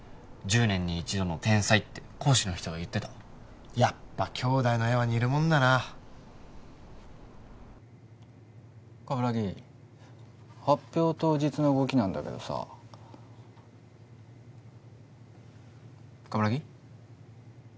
１０年に一度の天才って講師の人が言ってたやっぱ兄弟の絵は似るもんだな鏑木発表当日の動きなんだけどさ鏑木？